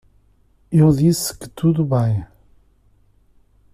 Eu disse que tudo bem.